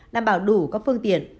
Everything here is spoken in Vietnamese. đảm bảo đủ các phương tiện